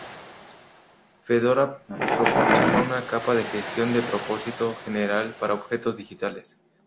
Fedora proporciona una capa de gestión de propósito general para objetos digitales.